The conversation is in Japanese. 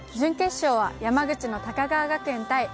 準決勝は山口の高川学園対